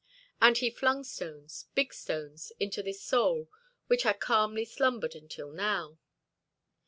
And he flung stones, big stones, into this soul which had calmly slumbered until now.